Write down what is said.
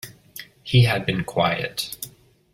He had been quiet.